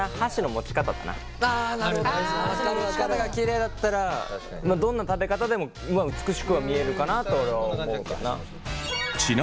持ち方がキレイだったらどんな食べ方でも美しくは見えるかなって俺は思うかな。